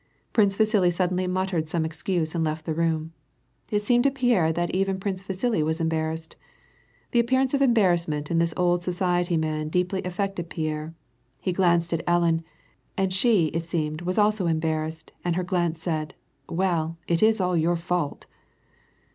Prince Vasili suddenly muttered some excuse and left the room. It seemed to Pierre that even Prince Vasili was embarrassed. The appearance of embarrassment in this old society man deeply affected Pierre. He glanced at Ellen, and she, it seemed, was also embarrassed, and her glau'.'e said :" Well, it is all your fault